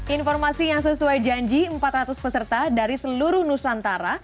informasi yang sesuai janji empat ratus peserta dari seluruh nusantara